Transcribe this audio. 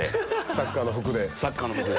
サッカーの服で。